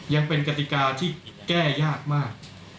ยังเป็นกติกาที่แก้ยากมาก